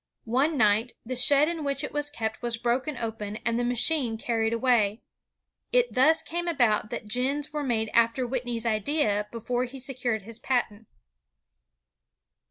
One night, the shed in which it was kept was broken open and the machine carried away. It thus came about that gins were made after Whitney's idea before he secured his patent.